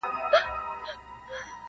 • د خپلي خوښی سره سم -